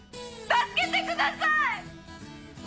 助けてください！